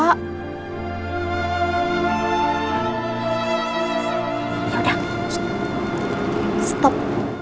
ya udah stop